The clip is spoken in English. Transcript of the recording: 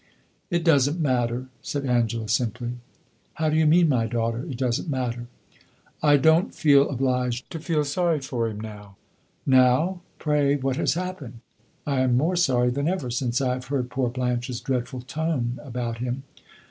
"It does n't matter," said Angela, simply. "How do you mean, my daughter, it does n't matter?" "I don't feel obliged to feel so sorry for him now." "Now? Pray, what has happened? I am more sorry than ever, since I have heard poor Blanche's dreadful tone about him."